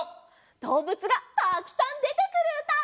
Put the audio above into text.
どうぶつがたくさんでてくるうた！